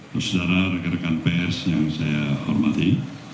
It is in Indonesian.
pesudara rekan rekan pers yang saya hormati